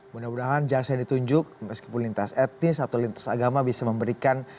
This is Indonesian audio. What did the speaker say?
mudah mudahan jaksa yang ditunjuk meskipun lintas etnis atau lintas agama bisa memberikan